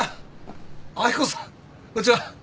こんちは。